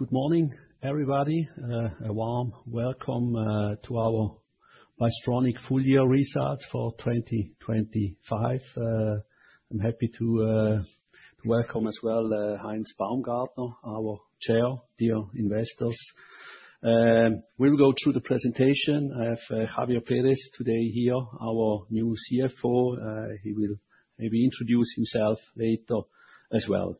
Good morning, everybody. A warm welcome to our Bystronic full year results for 2025. I'm happy to welcome as well Heinz Baumgartner, our Chair, dear investors. We'll go through the presentation. I have Javier Perez today here, our new CFO. He will maybe introduce himself later as well.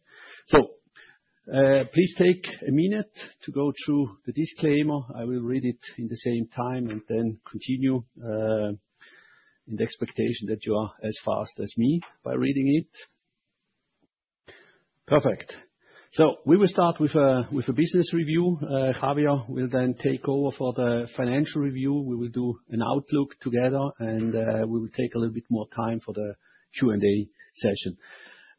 Please take a minute to go through the disclaimer. I will read it in the same time, and then continue in the expectation that you are as fast as me by reading it. Perfect. We will start with a business review. Javier will then take over for the financial review. We will do an outlook together, and we will take a little bit more time for the Q&A session.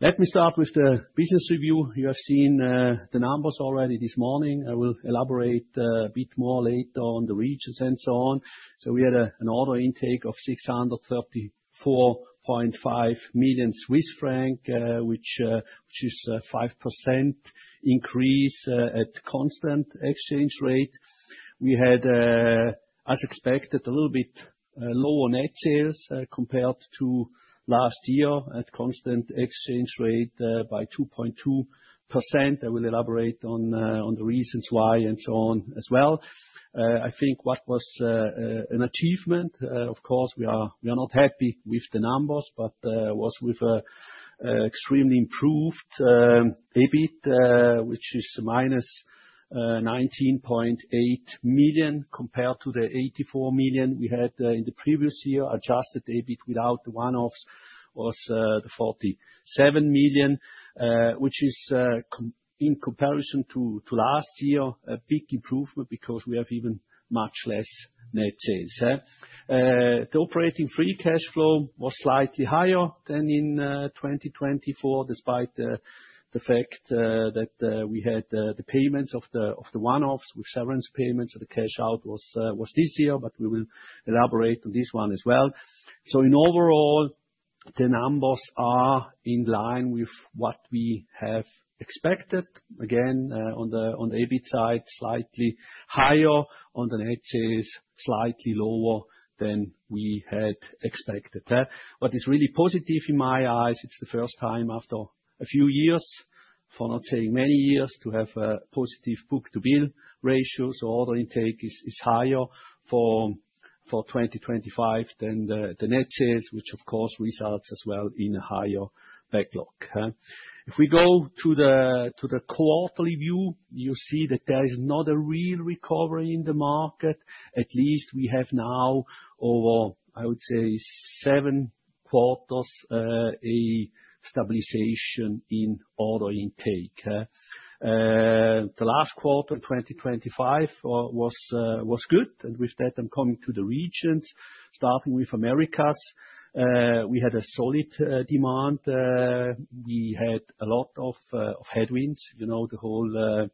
Let me start with the business review. You have seen the numbers already this morning. I will elaborate a bit more later on the regions and so on. We had an order intake of 634.5 million Swiss francs, which is a 5% increase at constant exchange rate. We had as expected a little bit lower net sales compared to last year at constant exchange rate by 2.2%. I will elaborate on the reasons why, and so on as well. I think what was an achievement, of course, we are not happy with the numbers, but was with extremely improved EBIT, which is -19.8 million compared to the 84 million we had in the previous year. Adjusted EBIT without one-offs was 47 million, which is in comparison to last year, a big improvement because we have even much less net sales, huh? The Operating free cash flow was slightly higher than in 2024, despite the fact that we had the payments of the one-offs, with severance payments, the cash out was this year, we will elaborate on this one as well. In overall, the numbers are in line with what we have expected. Again, on the EBIT side, slightly higher, on the net sales, slightly lower than we had expected. What is really positive in my eyes, it's the first time after a few years, for not saying many years, to have a positive book-to-bill ratio, so order intake is higher for 2025 than the net sales, which of course results as well in a higher backlog, huh? If we go to the quarterly view, you see that there is not a real recovery in the market. At least we have now, over, I would say, seven quarters, a stabilization in order intake. The last quarter, 2025, was good, and with that, I'm coming to the regions. Starting with Americas, we had a solid demand. We had a lot of headwinds, you know, the whole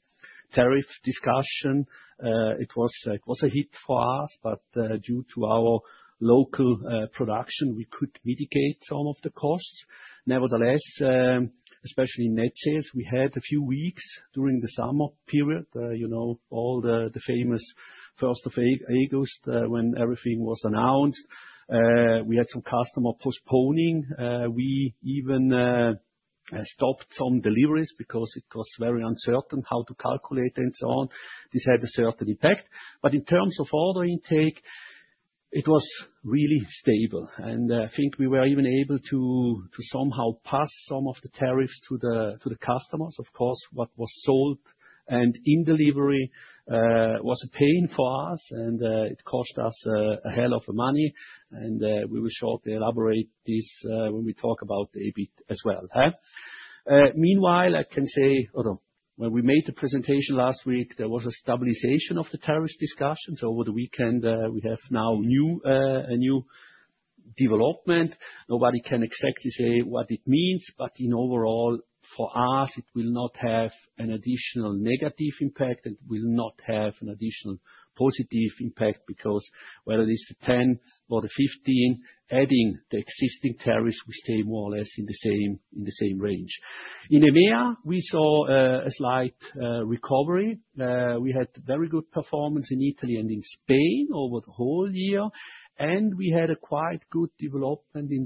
tariff discussion. It was a hit for us, but due to our local production, we could mitigate some of the costs. Nevertheless, especially in net sales, we had a few weeks during the summer period, you know, all the famous first of August, when everything was announced, we had some customer postponing. We even stopped some deliveries because it was very uncertain how to calculate and so on. This had a certain impact. In terms of order intake, it was really stable, and I think we were even able to somehow pass some of the tariffs to the customers. Of course, what was sold and in delivery was a pain for us, and it cost us a hell of a money. We will shortly elaborate this when we talk about the EBIT as well, huh? Meanwhile, I can say... Hold on. When we made the presentation last week, there was a stabilization of the tariff discussions. Over the weekend, we have now new, a new development. Nobody can exactly say what it means, but in overall, for us, it will not have an additional negative impact, it will not have an additional positive impact, because whether it's the 10 or the 15, adding the existing tariffs will stay more or less in the same range. In EMEA, we saw a slight recovery. We had very good performance in Italy and in Spain over the whole year, and we had a quite good development in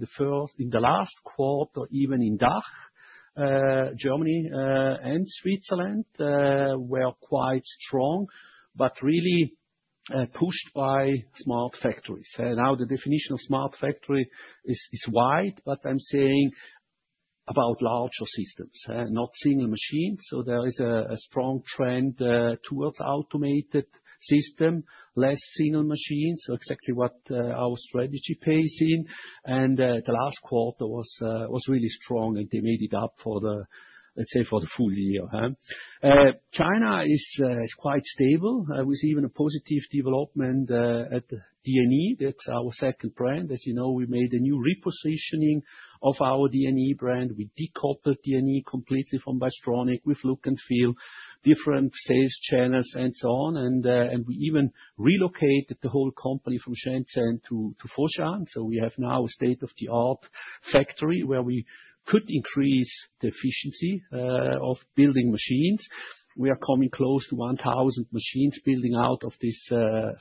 the last quarter, even in DACH. Germany and Switzerland were quite strong, really pushed by Smart Factories. Now, the definition of Smart Factory is wide, I'm saying about larger systems, not single machines. There is a strong trend towards automated system, less single machines. Exactly what our strategy pays in, the last quarter was really strong, they made it up for the, let's say, for the full year. China is quite stable with even a positive development at the DNE. That's our second brand. As you know, we made a new repositioning of our DNE brand. We decoupled DNE completely from Bystronic, with look and feel, different sales channels, and so on. We even relocated the whole company from Shenzhen to Foshan. We have now a state-of-the-art factory, where we could increase the efficiency of building machines. We are coming close to 1,000 machines building out of this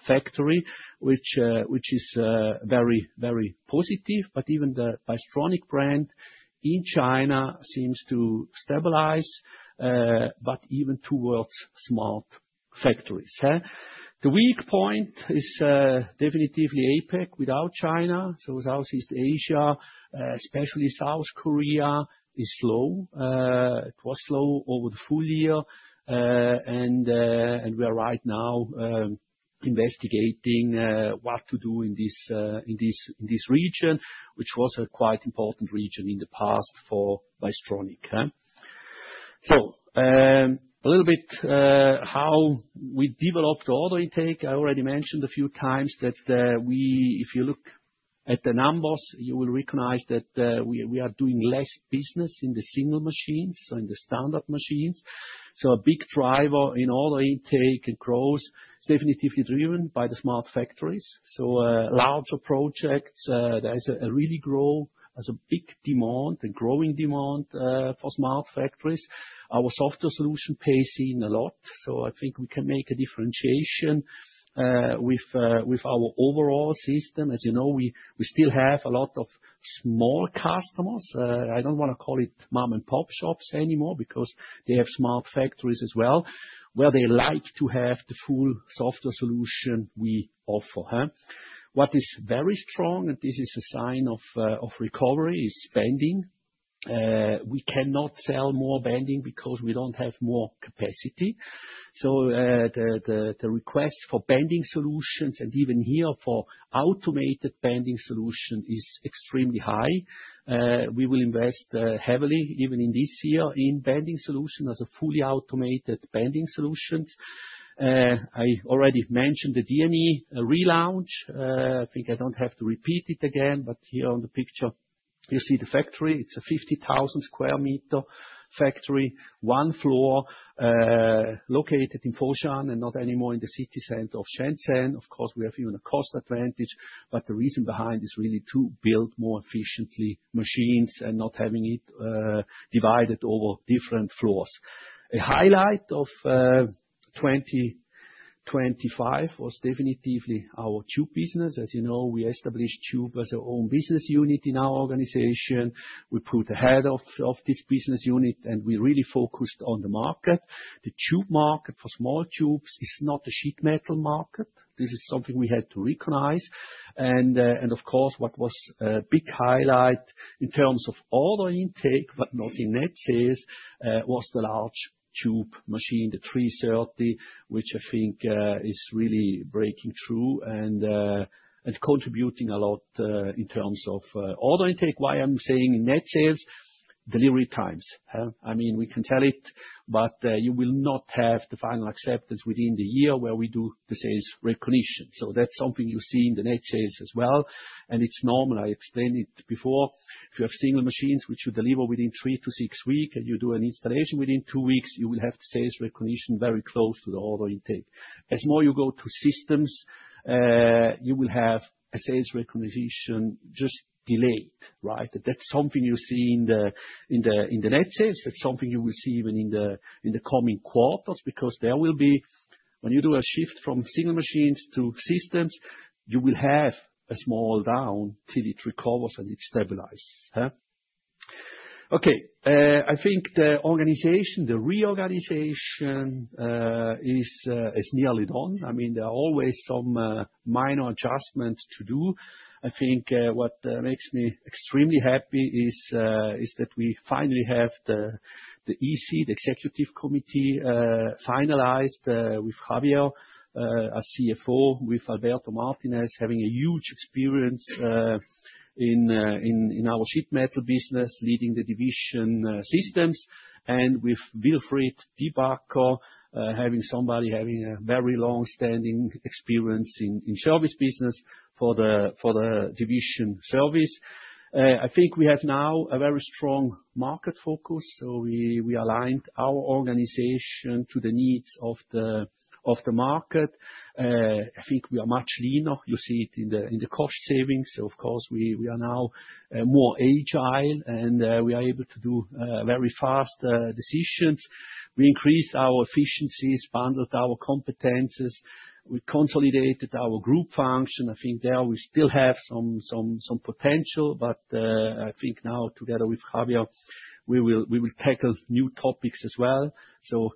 factory, which is very, very positive. Even the Bystronic brand in China seems to stabilize, but even towards Smart Factories, huh? The weak point is definitively APAC without China, so Southeast Asia, especially South Korea, is slow. It was slow over the full year, and we are right now investigating what to do in this region, which was a quite important region in the past for Bystronic, huh? A little bit how we developed order intake. I already mentioned a few times that if you look at the numbers, you will recognize that we are doing less business in the single machines, so in the standard machines. A big driver in order intake and growth is definitively driven by the Smart Factories. Larger projects, there is a big demand, a growing demand for Smart Factories. Our software solution plays in a lot, I think we can make a differentiation with our overall system. As you know, we still have a lot of small customers. I don't wanna call it mom-and-pop shops anymore, because they have Smart Factories as well, where they like to have the full software solution we offer, huh? What is very strong, and this is a sign of recovery, is Bending. We cannot sell more Bending because we don't have more capacity. The request for Bending solutions, and even here, for automated Bending solution, is extremely high. We will invest heavily, even in this year, in Bending solution as a fully automated Bending solutions. I already mentioned the DNE Relaunch. I think I don't have to repeat it again, but here on the picture, you see the factory. It's a 50,000 sqm factory, one floor, located in Foshan and not anymore in the city center of Shenzhen. Of course, we have even a cost advantage, but the reason behind is really to build more efficiently machines and not having it divided over different floors. A highlight of 2025 was definitively our Tube Business. As you know, we established Tube as our own business unit in our organization. We put a head of this business unit, and we really focused on the market. The tube market for small tubes is not a sheet metal market. This is something we had to recognize, of course, what was a big highlight in terms of order intake, but not in net sales, was the large tube machine, the 330, which I think is really breaking through and contributing a lot in terms of order intake. Why I'm saying in Net sales? Delivery times, huh? I mean, we can sell it, but you will not have the final acceptance within the year where we do the sales recognition. That's something you see in the net sales as well, and it's normal. I explained it before. If you have single machines which you deliver within three to six weeks, and you do an installation within two weeks, you will have the sales recognition very close to the order intake. As more you go to systems, you will have a sales recognition just delayed, right? That's something you see in the net sales. That's something you will see even in the coming quarters, because when you do a shift from single machines to systems, you will have a small down till it recovers and it stabilize, huh? Okay, I think the organization, the reorganization, is nearly done. I mean, there are always some minor adjustments to do. I think, what makes me extremely happy is that we finally have the EC, the Executive Committee, finalized with Javier as CFO, with Alberto Martinez, having a huge experience in our sheet metal business, leading the division Systems, and with Wilfried de Backer having somebody having a very long-standing experience in service business for the division Service. I think we have now a very strong market focus. We aligned our organization to the needs of the market. I think we are much leaner. You see it in the cost savings. Of course, we are now more agile and we are able to do very fast decisions. We increased our efficiencies, bundled our competencies, we consolidated our group function. I think there we still have some potential, but I think now, together with Javier, we will tackle new topics as well.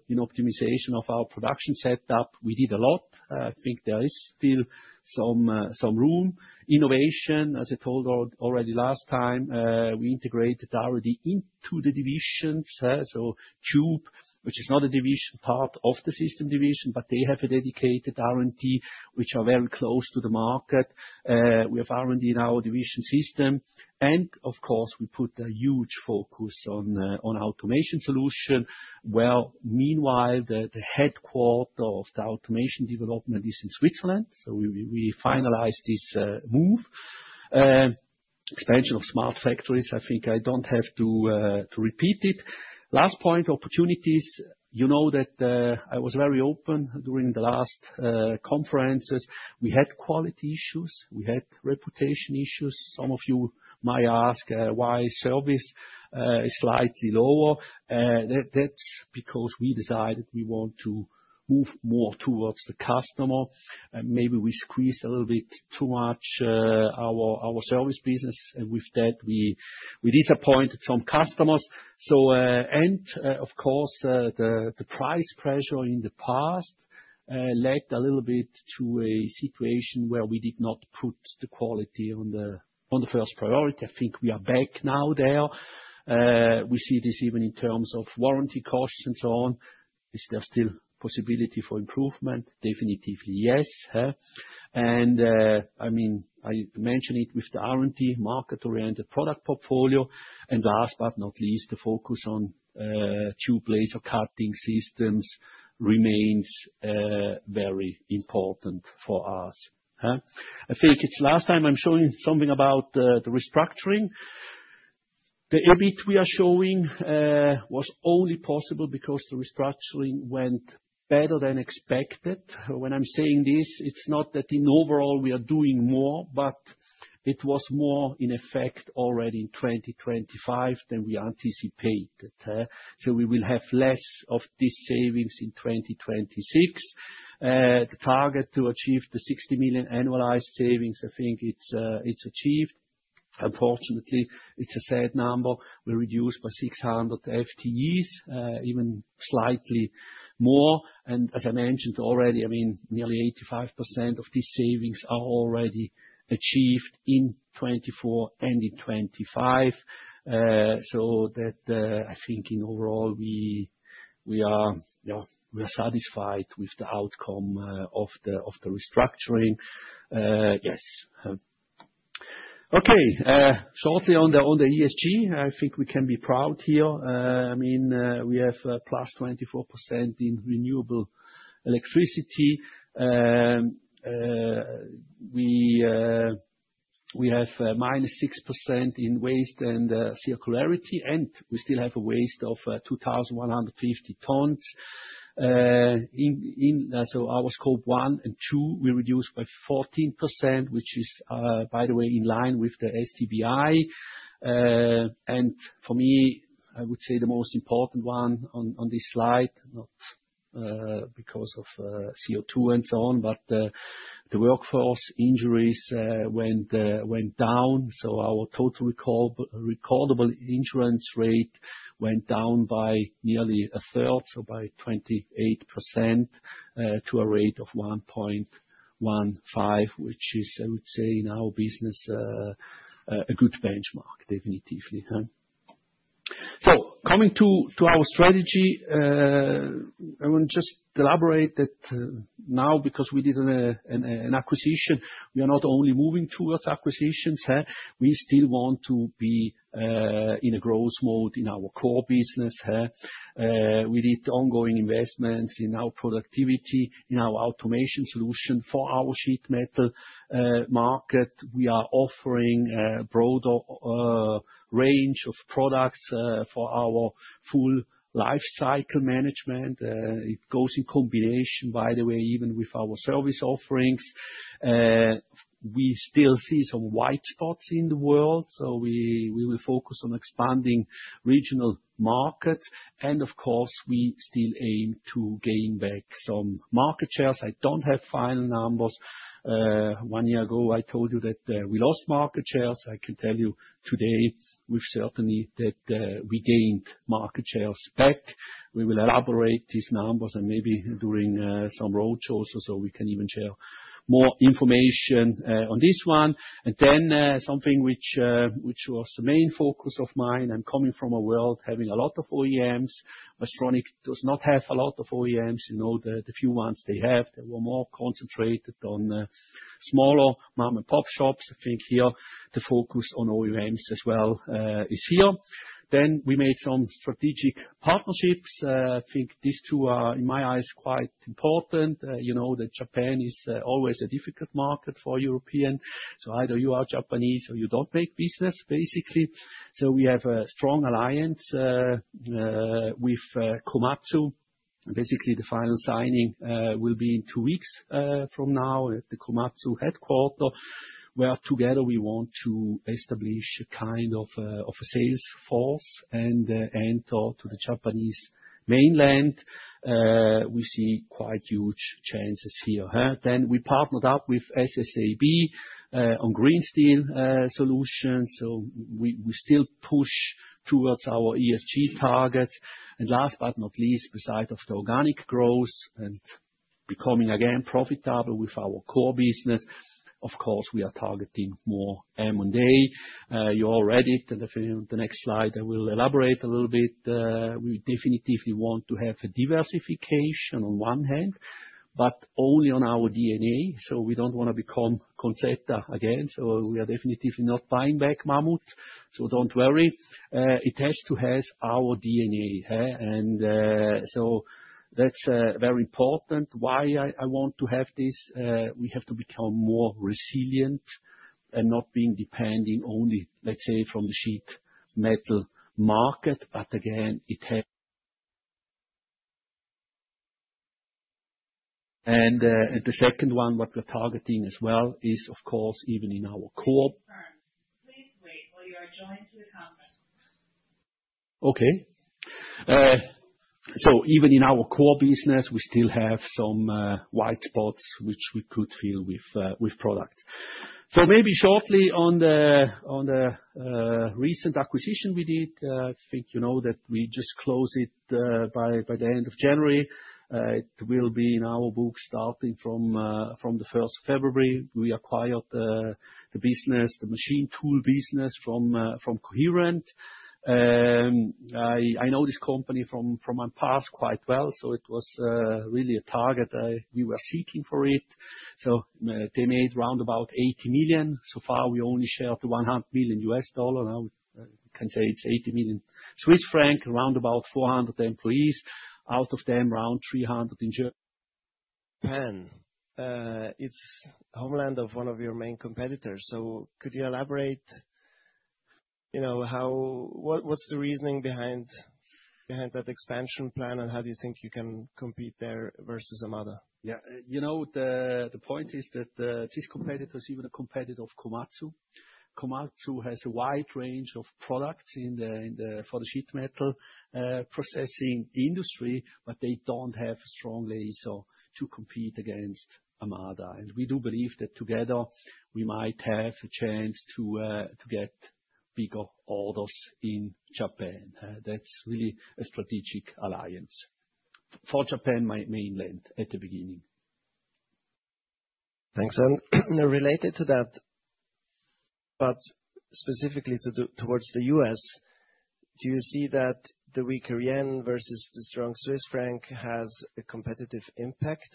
In optimization of our production setup, we did a lot. I think there is still some room. Innovation, as I told already last time, I integrated already into the divisions, so tube, which is not a division, part of the system division, but they have a dedicated R&D, which are very close to the market. We have R&D in our division system, and of course, we put a huge focus on automation solution. Meanwhile, the headquarter of the automation development is in Switzerland, so we finalized this move. Expansion of Smart Factories, I think I don't have to repeat it. Last point, opportunities. You know that, I was very open during the last conferences. We had quality issues, we had reputation issues. Some of you might ask, why service is slightly lower. That's because we decided we want to move more towards the customer, and maybe we squeeze a little bit too much our service business, and with that, we disappointed some customers. Of course, the price pressure in the past led a little bit to a situation where we did not put the quality on the first priority. I think we are back now there. We see this even in terms of warranty costs and so on. Is there still possibility for improvement? Definitely, yes. I mean, I mentioned it with the R&D market-oriented product portfolio, and last but not least, the focus on tube laser cutting systems remains very important for us. I think it's last time I'm showing something about the restructuring. The EBIT we are showing was only possible because the restructuring went better than expected. When I'm saying this, it's not that in overall we are doing more, but it was more in effect already in 2025 than we anticipated. We will have less of these savings in 2026. The target to achieve the 60 million annualized savings, I think it's achieved. Unfortunately, it's a sad number. We reduced by 600 FTEs, even slightly more, and as I mentioned already, I mean, nearly 85% of these savings are already achieved in 2024 and in 2025. I think in overall, we, you know, we are satisfied with the outcome of the restructuring. Yes. Shortly on the ESG, I think we can be proud here. I mean, we have +24% in renewable electricity. We have -6% in waste and circularity. We still have a waste of 2,150 tons. Our Scope 1 and 2, we reduced by 14%, which is, by the way, in line with the SBTi. For me, I would say the most important one on this slide, not because of CO2 and so on, but the workforce injuries went down, so our Total Recordable Incident Rate went down by nearly a third, so by 28%, to a rate of 1.15, which is, I would say, in our business, a good benchmark, definitively, huh? Coming to our strategy, I will just elaborate that now, because we did an acquisition, we are not only moving towards acquisitions, huh? We still want to be in a growth mode in our core business, huh? We need ongoing investments in our productivity, in our automation solution. For our sheet metal market, we are offering a broader range of products for our full life cycle management. It goes in combination, by the way, even with our service offerings. We still see some white spots in the world, so we will focus on expanding regional markets, and of course, we still aim to gain back some market shares. I don't have final numbers. One year ago, I told you that we lost market shares. I can tell you today, we've certainly, that we gained market shares back. We will elaborate these numbers, and maybe during some roadshows or so we can even share more information on this one. Something which was the main focus of mine, I'm coming from a world having a lot of OEMs. Bystroni does not have a lot of OEMs. You know, the few ones they have, they were more concentrated on smaller mom-and-pop shops. I think here, the focus on OEMs as well is here. We made some strategic partnerships. I think these two are, in my eyes, quite important. You know that Japan is always a difficult market for European, either you are Japanese or you don't make business, basically. We have a strong alliance with Komatsu. Basically, the final signing will be in two weeks from now at the Komatsu headquarter, where together we want to establish a kind of a sales force and enter to the Japanese mainland. We see quite huge chances here, huh? We partnered up with SSAB on green steel solutions, so we still push towards our ESG targets. Last but not least, beside of the organic growth and becoming again profitable with our core business, of course, we are targeting more M&A. You all read it, and the next slide, I will elaborate a little bit. We definitely want to have a diversification on one hand, but only on our DNA. We don't want to become Conzzeta again, so we are definitely not buying back Mammoet, so don't worry. It has to have our DNA, huh? So that's very important. Why I want to have this? We have to become more resilient and not being depending only, let's say, from the sheet metal market, but again, it has. The second one, what we're targeting as well, is, of course, even in our core- Please wait while you are joined to the conference. Okay. Even in our core business, we still have some white spots which we could fill with product. Maybe shortly on the recent acquisition we did, I think you know that we just closed it by the end of January. It will be in our books starting from the 1st February. We acquired the business, the machine tool business from Coherent. I know this company from my past quite well, so it was really a target. We were seeking for it. They made round about 80 million. So far, we only shelled $100 million. Now, can say it's 80 million Swiss franc, around about 400 employees. Out of them, around 300 in. Japan, it's homeland of one of your main competitors, so could you elaborate, you know, what's the reasoning behind that expansion plan, and how do you think you can compete there versus Amada? Yeah. You know, the point is that, this competitor is even a competitor of Komatsu. Komatsu has a wide range of products in the for the sheet metal, processing industry, but they don't have strong laser to compete against Amada. We do believe that together, we might have a chance to get bigger orders in Japan. That's really a strategic alliance for Japan mainland, at the beginning. Thanks. Related to that, but specifically to, towards the U.S., do you see that the weaker yen versus the strong Swiss franc has a competitive impact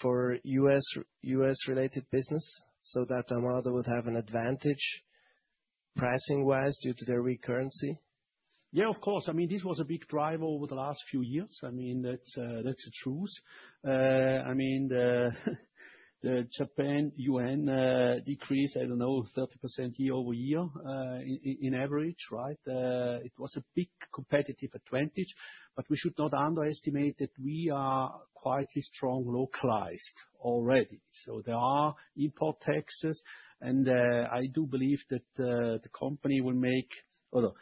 for U.S., U.S.-related business, so that Amada would have an advantage pricing-wise due to their weak currency? Of course. I mean, this was a big driver over the last few years. I mean, that's the truth. I mean, the Japan yen decreased, I don't know, 30% year-over-year, in average, right? It was a big competitive advantage, but we should not underestimate that we are quite a strong localized already. There are import taxes, and I do believe that. Oh, no.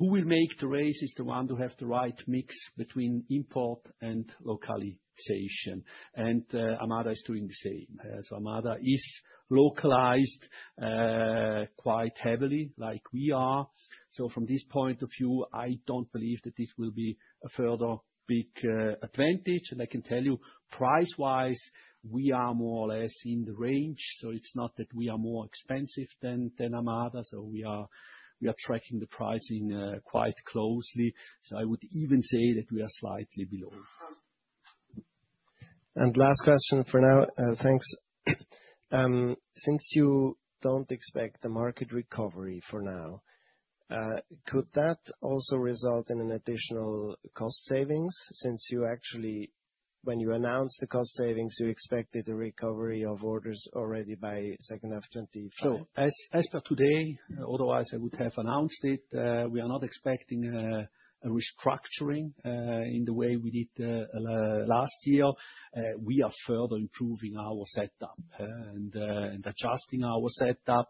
Who will make the race is the one who have the right mix between import and localization, and Amada is doing the same. Amada is localized quite heavily, like we are. From this point of view, I don't believe that this will be a further big advantage. I can tell you, price-wise, we are more or less in the range, so it's not that we are more expensive than Amada. We are tracking the pricing quite closely, so I would even say that we are slightly below. Last question for now, thanks. Since you don't expect the market recovery for now, could that also result in an additional cost savings, since you actually, when you announced the cost savings, you expected a recovery of orders already by second half 2025? As, as per today, otherwise I would have announced it, we are not expecting a restructuring in the way we did last year. We are further improving our setup and adjusting our setup.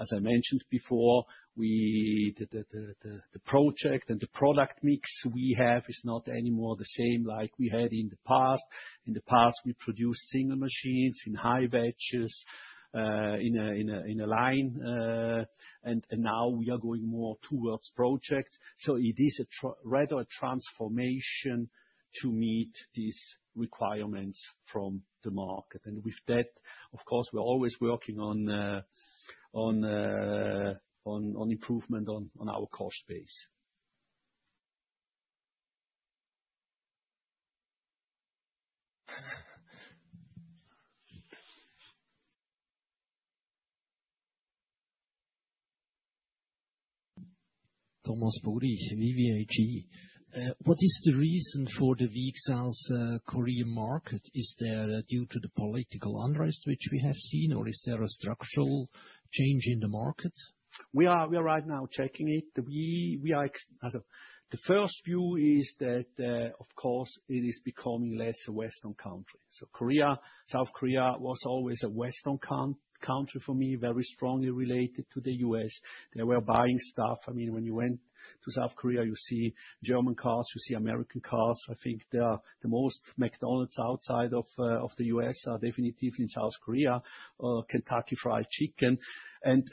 As I mentioned before, the project and the product mix we have is not any more the same like we had in the past. In the past, we produced single machines in high batches, in a line, and now we are going more towards projects. It is rather a transformation to meet these requirements from the market. With that, of course, we're always working on improvement on our cost base. What is the reason for the weak sales, Korean market? Is that due to the political unrest which we have seen, or is there a structural change in the market? We are right now checking it. We are The first view is that, of course, it is becoming less a Western country. Korea, South Korea, was always a Western country for me, very strongly related to the U.S. They were buying stuff. I mean, when you went to South Korea, you see German cars, you see American cars. I think there are the most McDonald's outside of the U.S., are definitely in South Korea, Kentucky Fried Chicken.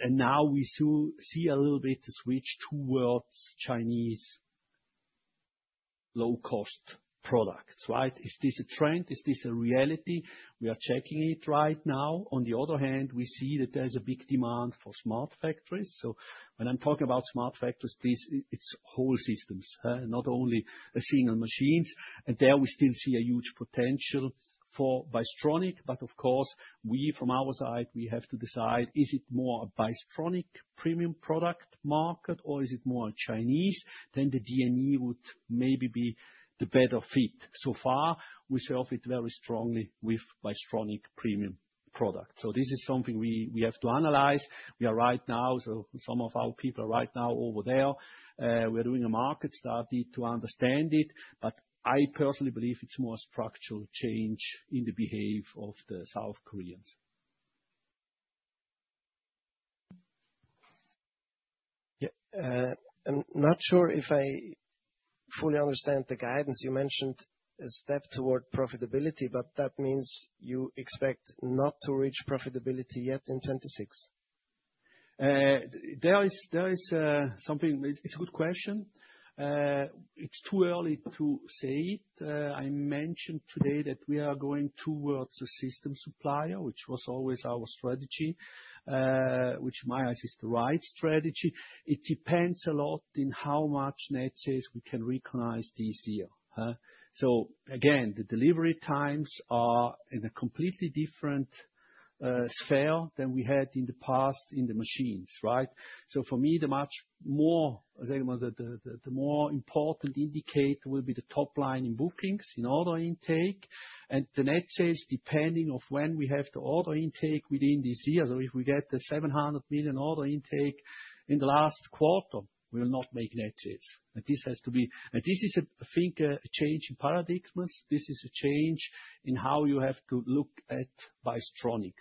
Now we see a little bit switch towards Chinese low-cost products, right? Is this a trend? Is this a reality? We are checking it right now. On the other hand, we see that there's a big demand for Smart Factories. When I'm talking about Smart Factories, this, it's whole systems, not only a single machines. There we still see a huge potential. For Bystronic, of course, we from our side, we have to decide, is it more a Bystronic premium product market, or is it more Chinese? The DNE would maybe be the better fit. So far, we serve it very strongly with Bystronic premium product. This is something we have to analyze. We are right now, so some of our people are right now over there. We're doing a market study to understand it, but I personally believe it's more structural change in the behavior of the South Koreans. Yeah, I'm not sure if I fully understand the guidance. You mentioned a step toward profitability, that means you expect not to reach profitability yet in 2026? There is, it's a good question. It's too early to say it. I mentioned today that we are going towards a system supplier, which was always our strategy, which in my eyes is the right strategy. It depends a lot in how much net sales we can recognize this year. Again, the delivery times are in a completely different sphere than we had in the past in the machines, right. For me, the much more important indicator will be the top line in bookings, in order intake, and the net sales, depending on when we have the order intake within this year. If we get the 700 million order intake in the last quarter, we will not make net sales. This has to be... This is, I think, a change in paradigms. This is a change in how you have to look at Bystronic.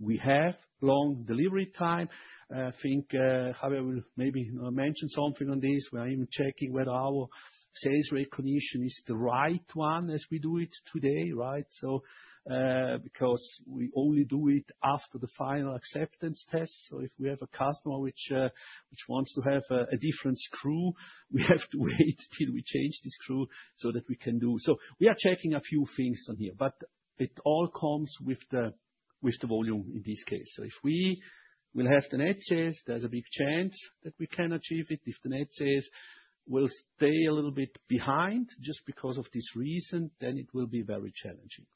We have long delivery time. I think, however, maybe I'll mention something on this. We are even checking whether our sales recognition is the right one as we do it today, right? Because we only do it after the final acceptance test, so if we have a customer which wants to have a different screw, we have to wait till we change the screw so that we can do. We are checking a few things on here, but it all comes with the volume in this case. If we will have the net sales, there's a big chance that we can achieve it. If the net sales will stay a little bit behind just because of this reason, then it will be very challenging.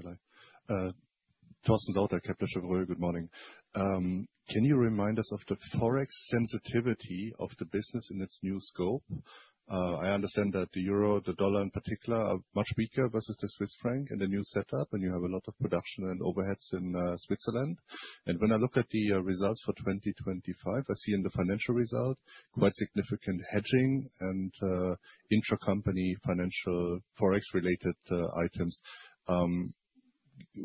Hello. Torsten Sauter, Hauck & Aufhäuser. Good morning. Can you remind us of the Forex sensitivity of the business in its new scope? I understand that the euro, the dollar in particular, are much weaker versus the Swiss franc in the new setup, and you have a lot of production and overheads in Switzerland. When I look at the results for 2025, I see in the financial result quite significant hedging and intracompany financial Forex-related items.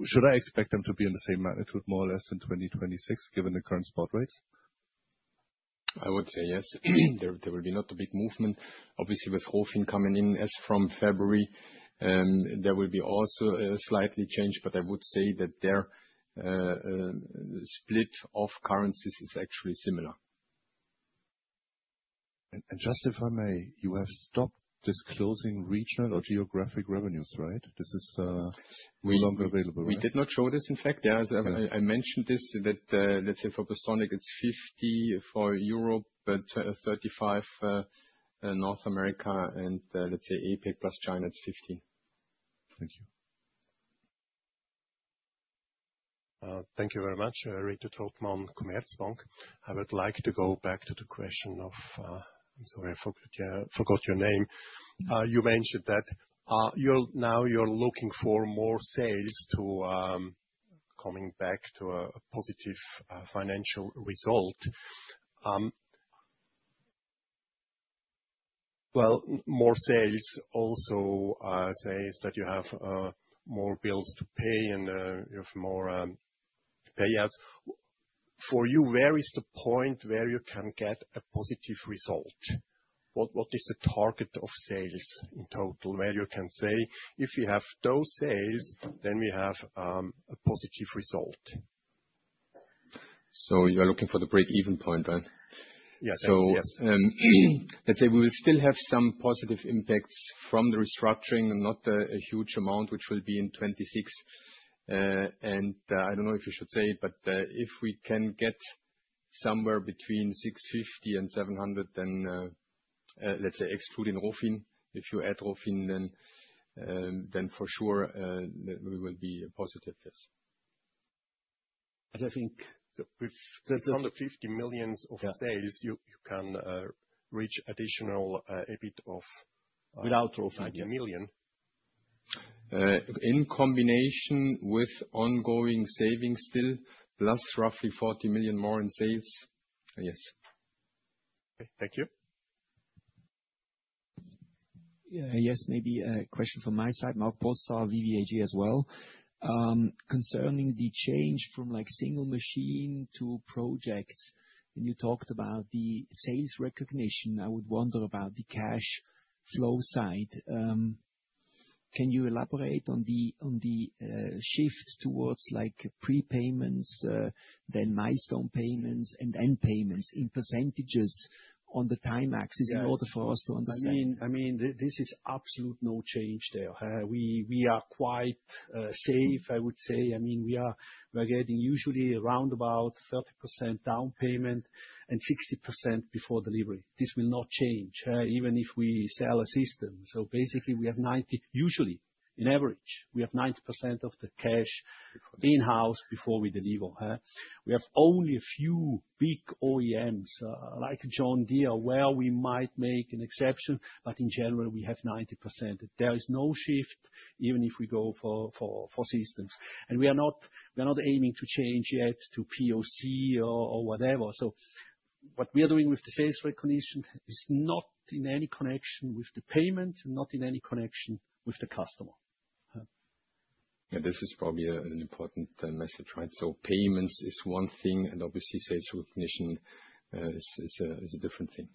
Should I expect them to be in the same magnitude, more or less, in 2026, given the current spot rates? I would say yes. There will be not a big movement. Obviously, with Rofin coming in as from February, there will be also a slightly change, but I would say that their split of currencies is actually similar. Just if I may, you have stopped disclosing Regional or Geographic revenues, right? This is no longer available, right? We did not show this, in fact. As I mentioned this, that, let's say for Bystronic, it's 50% for Europe, but 35% North America, and, let's say, AP plus China, it's 15%. Thank you. Thank you very much. Rita Trotman, Commerzbank. I would like to go back to the question of. I'm sorry, I forgot your name. You mentioned that you're now looking for more sales to coming back to a positive financial result. Well, more sales also are sales that you have more bills to pay and you have more payouts. For you, where is the point where you can get a positive result? What is the target of sales in total, where you can say, "If you have those sales, then we have a positive result? You are looking for the break-even point, right? Yes. I'd say we will still have some positive impacts from the restructuring and not a huge amount, which will be in 2026. I don't know if you should say it, but if we can get somewhere between 650-700, then let's say excluding Rofin. If you add Rofin, then for sure, we will be positive, yes. I think with 650 million of sales. Yeah... you can reach additional EBIT. Without Rofin. CHF 1 million. In combination with ongoing savings still, plus roughly 40 million more in sales, yes. Thank you. Yes, maybe a question from my side, Marc Bösch, Baader-Helvea as well. Concerning the change from, like, single machine to projects, and you talked about the sales recognition, I would wonder about the cash flow side. Can you elaborate on the shift towards like prepayments, then milestone payments and end payments in % on the time axis in order for us to understand? I mean, this is absolute no change there. We are quite safe, I would say. We are getting usually around about 30% down payment and 60% before delivery. This will not change even if we sell a system. Basically, we have usually, in average, we have 90% of the cash in-house before we deliver. We have only a few big OEMs, like John Deere, where we might make an exception, but in general, we have 90%. There is no shift, even if we go for systems. We are not aiming to change yet to POC or whatever. What we are doing with the sales recognition is not in any connection with the payment, not in any connection with the customer. Yeah, this is probably an important message, right? Payments is one thing, and obviously, sales recognition is a different thing.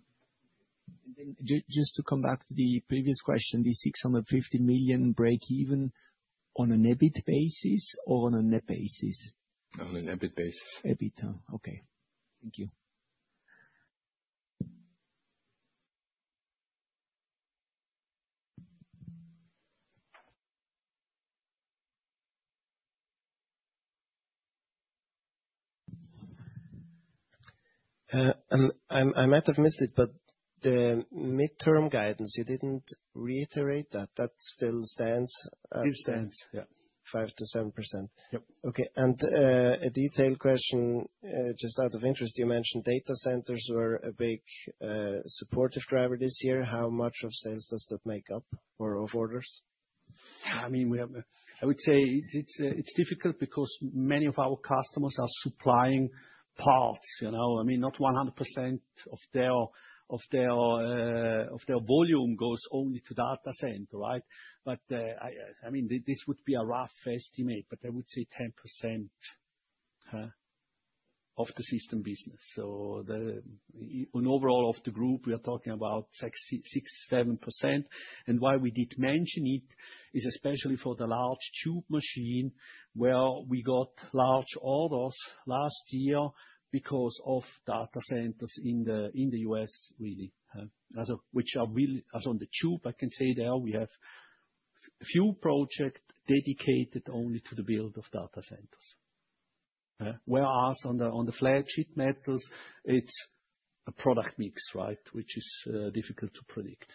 Just to come back to the previous question, the 650 million break even on an EBIT basis or on a NET basis? On an EBIT basis. EBITDA. Okay. Thank you. I might have missed it, but the midterm guidance, you didn't reiterate that. That still stands? It stands, yeah. 5%-7%. Yep. Okay, a detailed question, just out of interest, you mentioned data centers were a big, supportive driver this year. How much of sales does that make up or of orders? I mean, we have I would say it's, it's difficult because many of our customers are supplying parts, you know. I mean, not 100% of their volume goes only to data center, right? I mean, this would be a rough estimate, but I would say 10% of the system business. The on overall of the group, we are talking about 6%-7%. Why we did mention it, is especially for the large tube machine, where we got large orders last year because of data centers in the U.S., really, which are really, as on the tube, I can say there we have few project dedicated only to the build of data centers. Whereas on the, on the flat sheet metals, it's a product mix, right? Which is difficult to predict.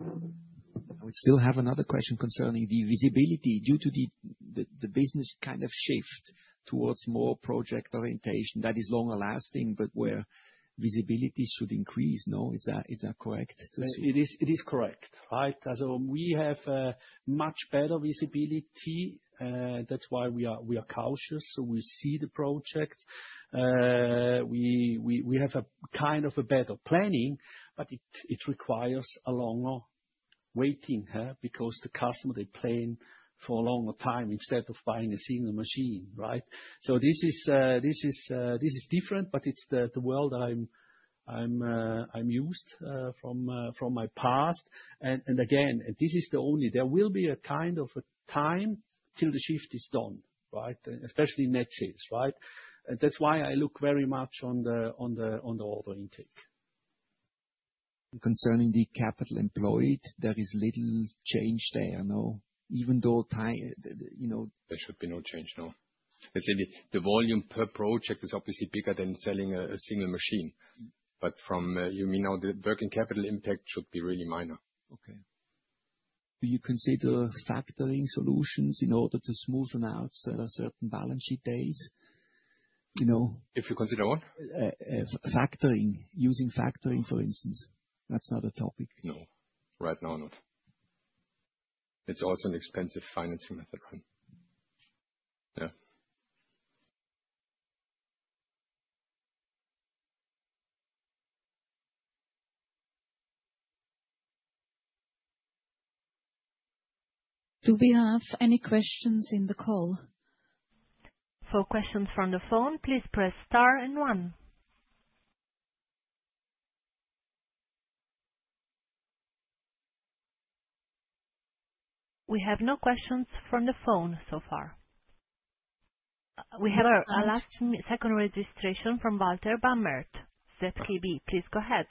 I would still have another question concerning the visibility. Due to the business kind of shift towards more project orientation, that is longer lasting, but where visibility should increase, no? Is that correct to say? It is, it is correct, right? As we have much better visibility, that's why we are, we are cautious, so we see the project. We have a kind of a better planning, but it requires a longer waiting, huh, because the customer, they plan for a longer time instead of buying a single machine, right? So this is different, but it's the world that I'm used from my past. Again, this is the only... There will be a kind of a time till the shift is done, right? Especially net shifts, right? That's why I look very much on the order intake. Concerning the capital employed, there is little change there, no? Even though time, you know... There should be no change, no. Especially, the volume per project is obviously bigger than selling a single machine. From a you mean now, the working capital impact should be really minor. Okay. Do you consider factoring solutions in order to smoothen out, certain balance sheet days? You know. If you consider what? Factoring. Using factoring, for instance, that's not a topic. No. Right now, no. It's also an expensive financing method, right? Yeah. Do we have any questions in the call? For questions from the phone, please press star and one. We have no questions from the phone so far. We have- Our last, second registration from Walter Bamert, ZKB. Please go ahead.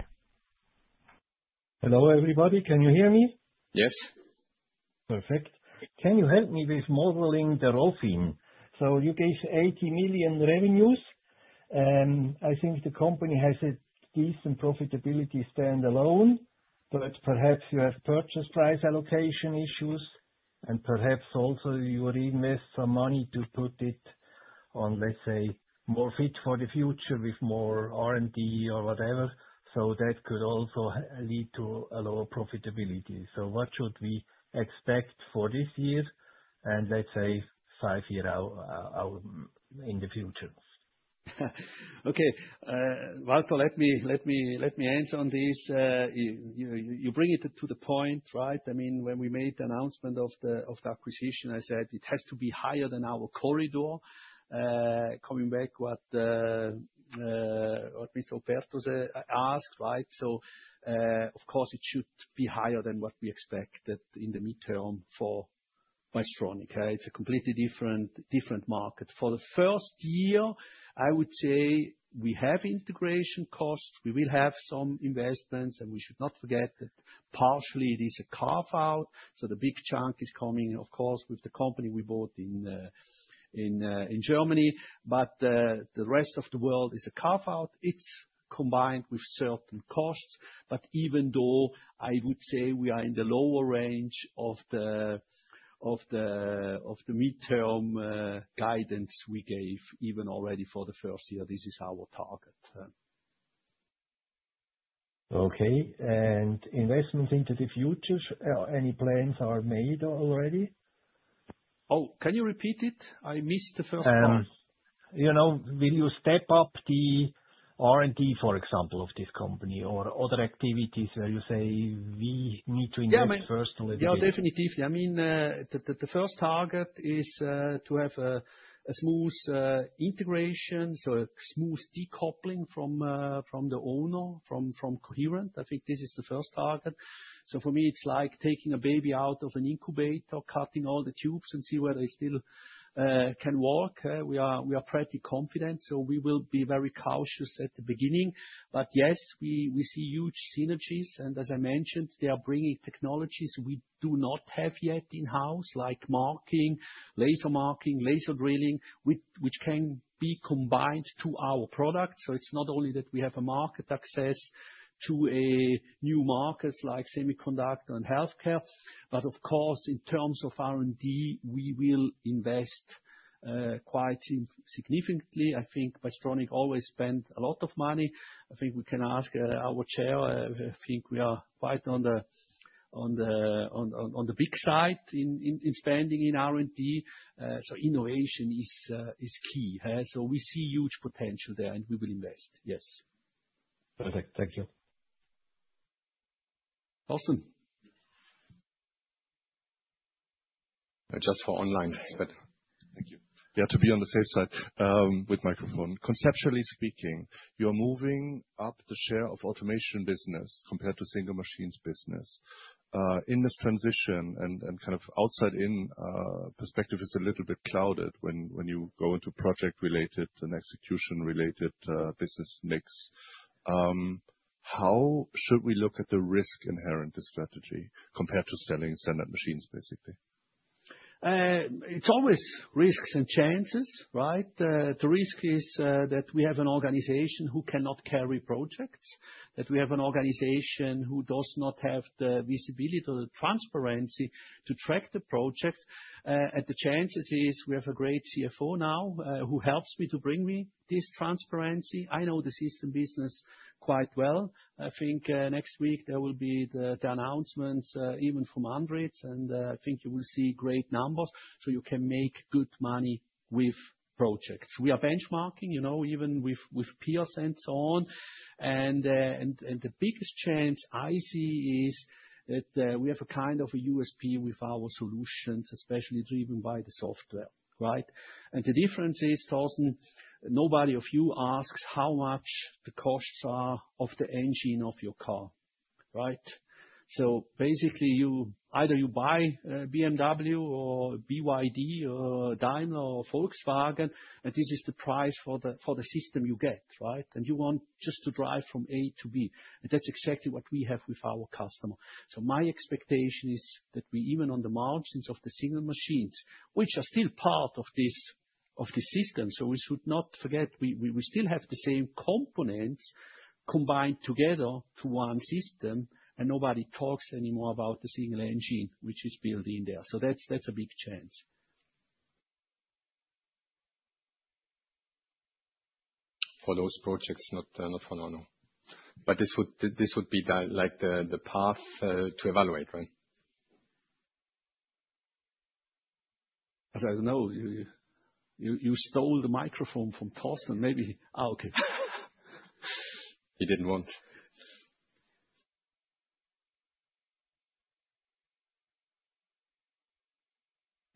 Hello, everybody. Can you hear me? Yes. Perfect. Can you help me with modeling the rolling? You gave 80 million revenues, and I think the company has a decent profitability standalone, but perhaps you have purchase price allocation issues, and perhaps also you would invest some money to put it on, let's say, more fit for the future with more R&D or whatever. That could also lead to a lower profitability. What should we expect for this year, and let's say, five year out in the future? Okay, Walter, let me answer on this. You bring it to the point, right? I mean, when we made the announcement of the acquisition, I said it has to be higher than our corridor. Coming back what, or at least Alberto's asked, right? Of course, it should be higher than what we expect that in the midterm for Bystronic, it's a completely different market. For the first year, I would say we have integration costs, we will have some investments, and we should not forget that partially it is a carve-out, so the big chunk is coming, of course, with the company we bought in Germany. The rest of the world is a carve-out. It's combined with certain costs, but even though I would say we are in the lower range of the midterm guidance we gave, even already for the first year, this is our target. Okay, investments into the future, any plans are made already? Oh, can you repeat it? I missed the first part. You know, will you step up the R&D, for example, of this company or other activities where you say, "We need to invest first- Definitely. I mean, the first target is to have a smooth integration, so a smooth decoupling from the owner, from Coherent. I think this is the first target. For me, it's like taking a baby out of an incubator, cutting all the tubes and see whether it still can walk. We are pretty confident, so we will be very cautious at the beginning. Yes, we see huge synergies, and as I mentioned, they are bringing technologies we do not have yet in-house, like marking, laser marking, laser drilling, which can be combined to our product. It's not only that we have a market access to a new markets like semiconductor and healthcare, but of course, in terms of R&D, we will invest quite significantly. I think Bystronic always spent a lot of money. I think we can ask our Chairman. I think we are quite on the big side in spending in R&D. Innovation is key, eh? We see huge potential there, and we will invest. Yes. Perfect. Thank you. Awesome. Just for online, but thank you. To be on the safe side, with microphone. Conceptually speaking, you're moving up the share of automation business compared to single machines business. In this transition and kind of outside in perspective is a little bit clouded when you go into project-related and execution-related business mix. How should we look at the risk inherent to strategy compared to selling standard machines, basically? It's always risks and chances, right? The risk is, that we have an organization who cannot carry projects, that we have an organization who does not have the visibility or the transparency to track the project. The chances is, we have a great CFO now, who helps me to bring me this transparency. I know the system business quite well. I think, next week there will be the announcements, even from Android, I think you will see great numbers, so you can make good money with projects. We are benchmarking, you know, even with peers and so on. The biggest chance I see is that, we have a kind of a USP with our solutions, especially driven by the software, right? The difference is, Torsten, nobody of you asks how much the costs are of the engine of your car, right? Basically, you, either you buy a BMW or BYD or Daimler or Volkswagen, and this is the price for the, for the system you get, right? You want just to drive from A to B, and that's exactly what we have with our customer. My expectation is that we, even on the margins of the single machines, which are still part of this, of the system, so we should not forget we still have the same components combined together to one system, and nobody talks anymore about the single engine which is built in there. That's a big chance. For those projects, this would be the, like, the path to evaluate, right? I don't know. You stole the microphone from Torsten. Maybe... Oh, okay. He didn't want.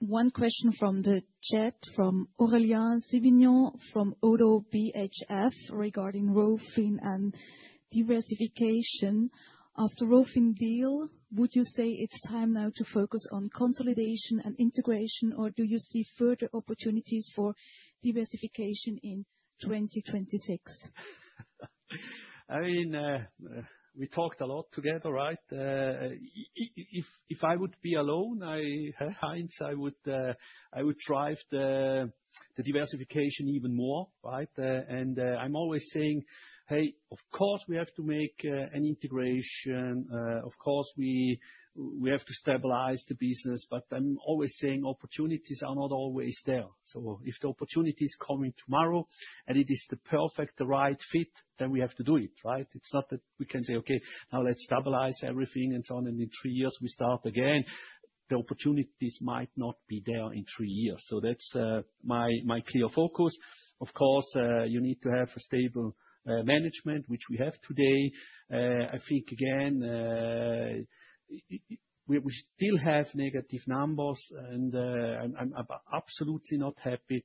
One question from the chat, from Aurelien Sivignon from Oddo BHF regarding Rofin and diversification. After Rofin deal, would you say it's time now to focus on consolidation and integration, or do you see further opportunities for diversification in 2026? I mean, we talked a lot together, right? If I would be alone, I, Heinz, I would drive the diversification even more, right? I'm always saying, "Hey, of course, we have to make an integration. Of course, we have to stabilize the business." I'm always saying opportunities are not always there. If the opportunity is coming tomorrow, and it is the perfect, the right fit, then we have to do it, right? It's not that we can say, "Okay, now let's stabilize everything and so on, and in three years we start again." The opportunities might not be there in three years. That's, my clear focus. Of course, you need to have a stable management, which we have today. I think again, we still have negative numbers, and I'm absolutely not happy.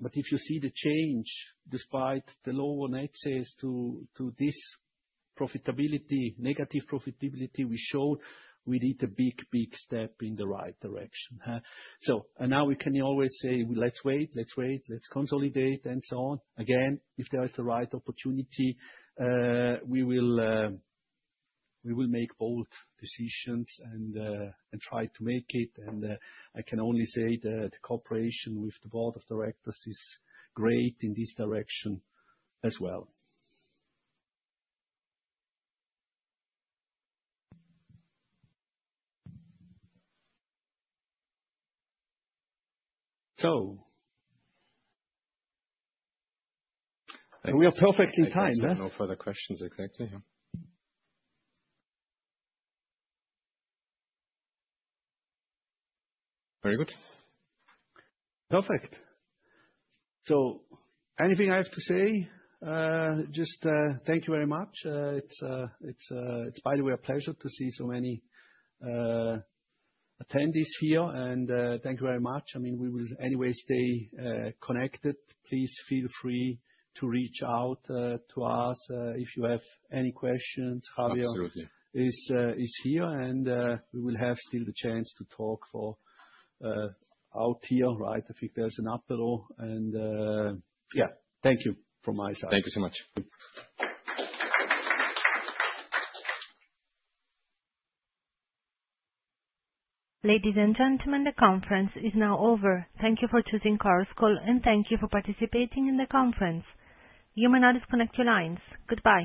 If you see the change despite the lower net sales to this quarter profitability, negative profitability we showed, we need a big, big step in the right direction, huh? Now we can always say, "Let's wait, let's wait, let's consolidate," and so on. Again, if there is the right opportunity, we will, we will make bold decisions and try to make it. I can only say that the cooperation with the board of directors is great in this direction as well. We are perfectly timed, huh? There's no further questions, exactly, yeah. Very good. Perfect. Anything I have to say, just, thank you very much. It's by the way, a pleasure to see so many attendees here. Thank you very much. I mean, we will anyway stay connected. Please feel free to reach out to us, if you have any questions. Javier- Absolutely. is here, and, we will have still the chance to talk for, out here, right? I think there's an after all. Yeah, thank you from my side. Thank you so much. Ladies and gentlemen, the conference is now over. Thank you for choosing ChorusCall, and thank you for participating in the conference. You may now disconnect your lines. Goodbye.